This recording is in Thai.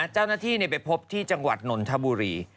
เจ้าหน้าที่ไปพบที่จังหวัดนนทบุรี